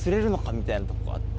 みたいなとこがあって。